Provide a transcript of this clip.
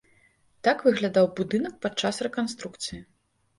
Так выглядаў будынак падчас рэканструкцыі.